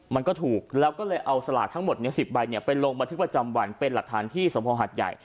มันก็ถูกแล้วก็เลยเอาสลากทั้งหมด๑๐ใบไปลงบันทึกประจำวันเป็นหลักฐานที่สมภหัดใหญ่